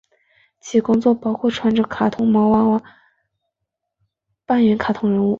其他工作包括穿着卡通毛娃娃服扮演卡通人物。